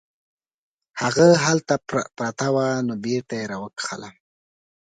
هغه هلته پرته وه نو بیرته یې راوکښله.